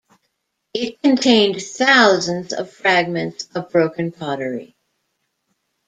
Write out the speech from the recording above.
It contained thousands of fragments of broken pottery.